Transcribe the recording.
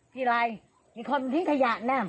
พี่ไรฯมีคนผิงขยะนะ